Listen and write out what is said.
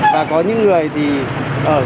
và có những người thì ở độ tuổi một mươi tám